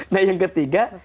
nah yang ketiga